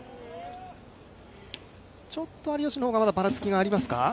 ちょっと有吉の方がばらつきがありますか？